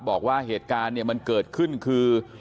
บอกว่าเหตุการณ์เนี่ยมันเกิดขึ้นคือ